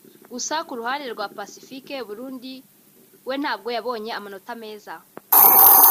gusa ku ruhande rwa Pacifique (Burundi) we ntabwo yabonye amanota meza